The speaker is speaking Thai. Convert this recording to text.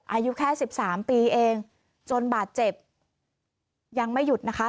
อายุแค่สิบสามปีเองจนบาดเจ็บยังไม่หยุดนะคะ